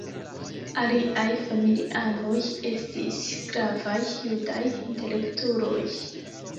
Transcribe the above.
Aliaj familianoj estis gravaj judaj intelektuloj.